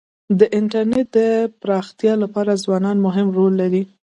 د انټرنېټ د پراختیا لپاره ځوانان مهم رول لري.